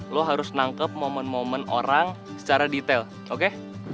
lo harus nangkep momen momen orang secara detail oke